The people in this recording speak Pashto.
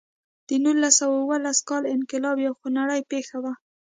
د نولس سوه اوولس کال انقلاب یوه خونړۍ پېښه وه.